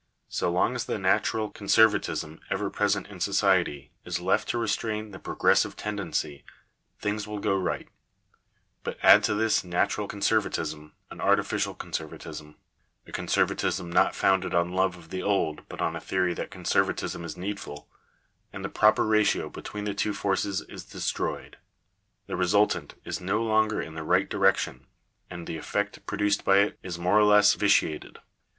So long as the natural conservatism ever present in society is \ left to restrain the progressive tendency, things will go right; 1 but add to this natural conservatism an artificial conservatism —; a conservatism not founded on love of the old, but on a theory that conservatism is needful — and the proper ratio between the two forces is destroyed ; the resultant is no longer in the right I direction ; and the effect produced by it is more or less vitiated.